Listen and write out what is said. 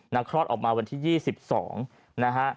คลอดออกมาวันที่๒๒นะฮะ